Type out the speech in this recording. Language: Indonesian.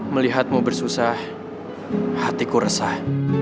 melihatmu bersusah hatiku resah